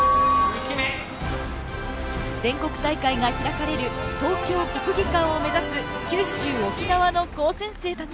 全国大会が開かれる東京国技館を目指す九州沖縄の高専生たち。